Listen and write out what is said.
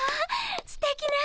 すてきな歌。